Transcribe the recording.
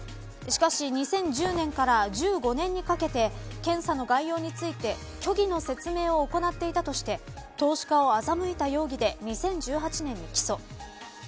しかし２０１０年から１５年にかけて検査の概要について虚偽の説明を行っていたとして投資家を欺いた容疑で２０１８年に起訴。